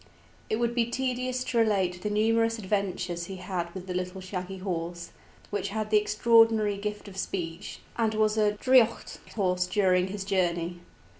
It would be tedious to relate the numerous adventures he had with the little shaggy horse, which had the extraordinary gift of speech, and was a draoidheacht horse during his journey.